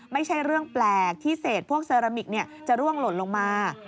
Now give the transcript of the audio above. ไม่ใช่เรื่องแปลกที่เศษพวกเซรามิกจะร่วงหล่นลงมา